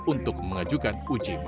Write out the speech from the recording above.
untuk mengajukan ujiannya